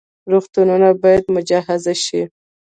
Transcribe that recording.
روغتونونه باید مجهز شي